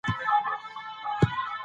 ملالۍ د ښځو لپاره بېلګه سوه.